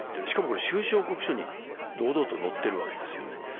しかも収支報告書に堂々と載っているわけですよ。